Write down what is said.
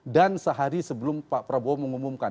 dan sehari sebelum pak prabowo mengumumkan